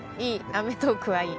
『アメトーーク』はいい。